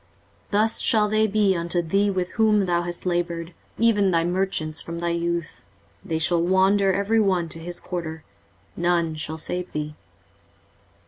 23:047:015 Thus shall they be unto thee with whom thou hast laboured, even thy merchants, from thy youth: they shall wander every one to his quarter; none shall save thee.